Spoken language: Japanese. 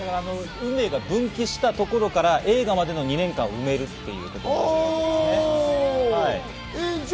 運命が分岐したところから映画までの２年間を埋めるということです。